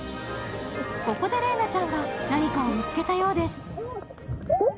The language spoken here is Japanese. ここで麗菜ちゃんが何かを見つけたようです。